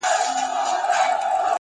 هو داده رشتيا چي وه اسمان ته رسېدلى يم.!